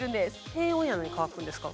低温やのに乾くんですか？